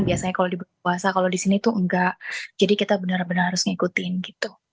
biasanya kalau di berpuasa kalau di sini tuh enggak jadi kita benar benar harus ngikutin gitu